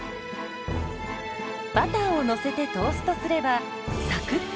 バターをのせてトーストすればサクッとした食感に！